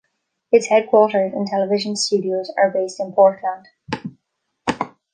Its headquarters and television studios are based in Portland.